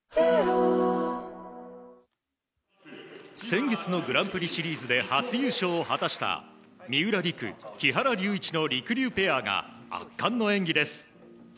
先月のグランプリシリーズで初優勝を果たした三浦璃来、木原龍一のりくりゅうペアが圧巻の演技です。